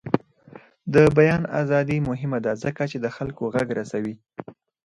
د بیان ازادي مهمه ده ځکه چې د خلکو غږ رسوي.